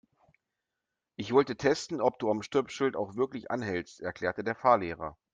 Ich wollte testen, ob du am Stoppschild auch wirklich anhältst, erklärte der Fahrlehrer.